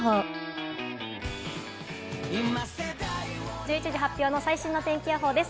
１１時発表の最新の天気予報です。